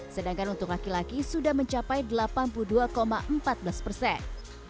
sedangkan untuk laki laki sudah mencapai delapan puluh dua empat belas persen